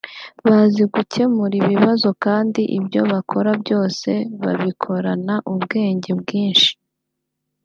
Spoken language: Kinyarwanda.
bazi gukemura ibibazo kandi ibyo bakora byose babikorana ubwenge bwinshi